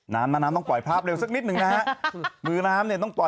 น้ำแม่น้ำต้องปล่อยภาพเร็วสักนิดนึงนะฮะมือน้ำเนี่ยต้องปล่อย